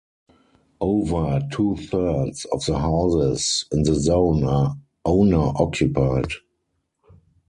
Over two thirds of the houses in the zone are owner-occupied.